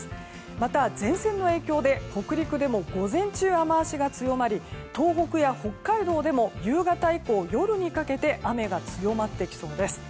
また、前線の影響で北陸でも午前中に雨脚が強まり東北や北海道でも夕方以降、夜にかけて雨が強まってきそうです。